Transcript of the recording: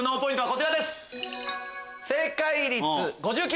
こちらです。